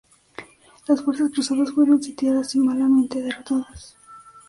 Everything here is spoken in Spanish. Las fuerzas cruzadas fueron sitiadas y malamente derrotadas.